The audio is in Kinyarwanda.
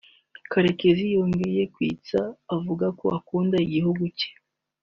Karekezi yongeye kwitsa avuga ko akunda igihugu cye